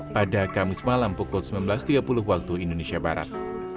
pada kamis malam pukul sembilan belas tiga puluh waktu indonesia barat